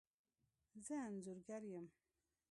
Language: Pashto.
زه انځورګر یم